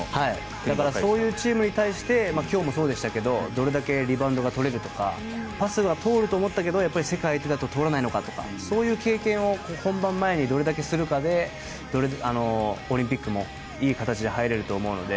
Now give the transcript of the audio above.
だからそういうチームに対して今日もそうでしたけどどれだけリバウンドがとれるとかパスが通ると思ったけど世界相手だと通らないのかとかそういう経験を本番前にどれだけするかでオリンピックもいい形で入れると思うので。